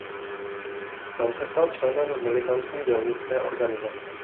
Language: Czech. Tam se stal členem militantní dělnické organizace.